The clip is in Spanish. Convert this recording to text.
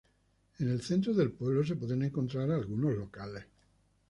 En el centro del pueblo se pueden encontrar algunos locales.